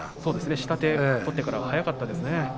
下手を取ってから早かったですね。